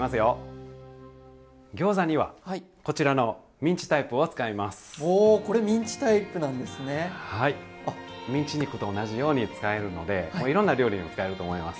ミンチ肉と同じように使えるのでいろんな料理にも使えると思います。